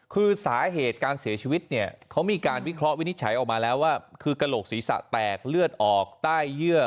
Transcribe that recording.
คือสาเหตุการเสียชีวิตเนี่ยเขามีการวิเคราะห์วินิจฉัยออกมาแล้วว่าคือกระโหลกศีรษะแตกเลือดออกใต้เยื่อ